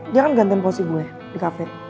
dia kan ganteng posi gue di cafe